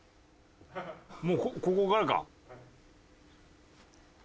もうここからか。